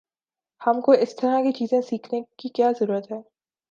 ہم کو اس طرح کی چیزیں سیکھنے کی کیا ضرورت ہے؟